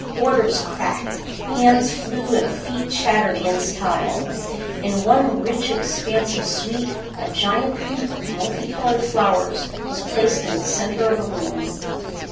Orders cracked. Hands flew and feet chattered against tile. In one rich expansive suite a giant hoop of multi colored flowers was placed in the center of a room.